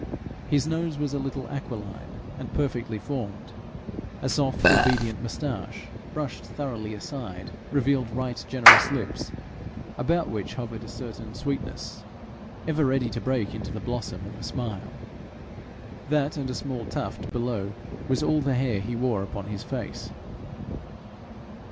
His nose was a little aquiline, and perfectly formed. A soft obedient moustache, brushed thoroughly aside, revealed right generous lips, about which hovered a certain sweetness ever ready to break into the blossom of a smile. That and a small tuft below was all the hair he wore upon his face.